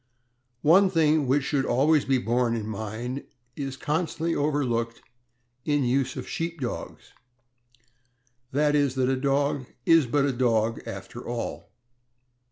One thing which should always be borne in mind is constantly overlooked in use of Sheep Dogs, i. e., that a dog is but a dog after all.